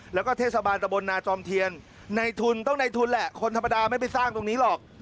แล้วก็เทศบาลตะบนนาจอมเทียนในทุนต้องในทุนแหละคนธรรมดาไม่ไปสร้างตรงนี้หรอก